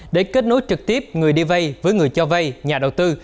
để kết nối trực tiếp người đi vay với người cho vay nhà đầu tư